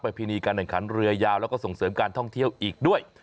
พินีการแข่งขันเรือยาวแล้วก็ส่งเสริมการท่องเที่ยวอีกด้วย